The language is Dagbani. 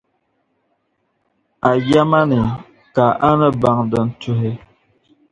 A yɛma ni ka a ni baŋ din tuhi.